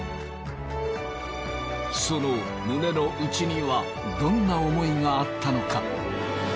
その胸の内にはどんな思いがあったのか？